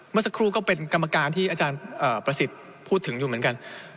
เมื่อสักครู่ก็เป็นกรรมการที่อาจารย์ประสิทธิ์พูดถึงอยู่เหมือนกัน